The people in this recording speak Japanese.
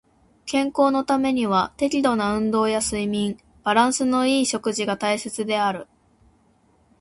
健康のためには適度な運動や睡眠、バランスの良い食事が大切である。